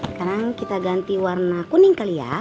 sekarang kita ganti warna kuning kali ya